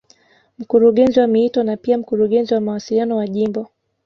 Mkurungezi wa miito na pia Mkurungezi wa mawasiliano wa Jimbo